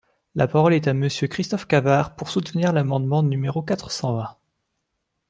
La parole est à Monsieur Christophe Cavard, pour soutenir l’amendement numéro quatre cent vingt.